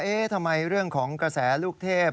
ทำไมเรื่องของกระแสลูกเทพ